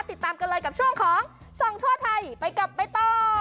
ติดตามกันเลยกับช่วงของส่องทั่วไทยไปกับใบตอง